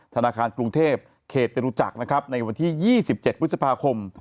ธนาคารกรุงเทพเขตจรุจักรนะครับในวันที่๒๗พฤษภาคม